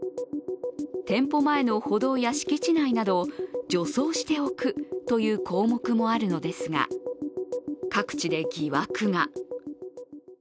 店舗前の歩道や敷地内などを除草しておくという項目もあるのですが各地で疑惑が。